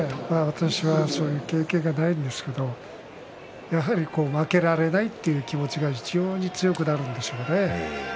私はそういう経験はありませんがやはり負けられないという気持ちが非常に強くなるんでしょうね。